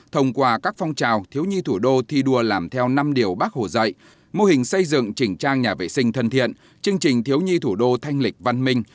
thông qua các phong trào thiếu nhi thủ đô thi đua làm theo năm điều bác hồ dạy mô hình xây dựng chỉnh trang nhà vệ sinh thân thiện chương trình thiếu nhi thủ đô thanh lịch văn minh